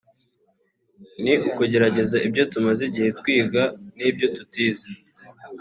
ni ukugerageza ibyo tumaze igihe twiga n’ ibyo tutize